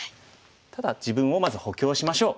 ただ自分をまず補強しましょう。